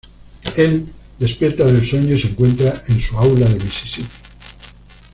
Él despierta del sueño y se encuentra en su aula de Mississippi.